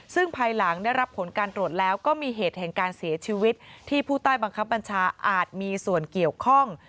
ซึ่งภายหลังได้รับผลการตรวจแล้วก็มีเหตุแห่งการเสียชีวิตที่ผู้ใต้บังคับบัญชาอาจมีส่วนเกี่ยวข้อง